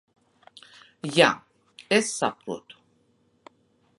Jā, es saprotu.